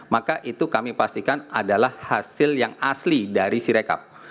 maka itu kami pastikan adalah hasil yang asli dari sirekap